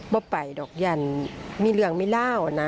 พอไปดอกยังมีเรื่องไม่เล่านะ